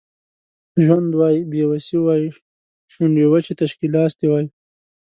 ژوند وای بې وسي وای شونډې وچې تش ګیلاس دي وای